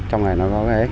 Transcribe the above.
trong này nó có cái